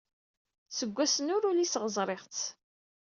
Seg wass-nni ur uliseɣ ẓriɣ-tt.